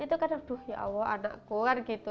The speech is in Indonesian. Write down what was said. itu kan aduh ya allah anakku kan gitu